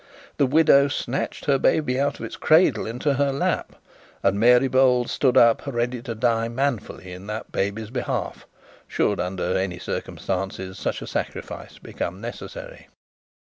The widow snatched her baby out of its cradle into her lap, and Mary Bold stood up ready to die manfully in that baby's behalf, should, under any circumstances, such a sacrifice be necessary.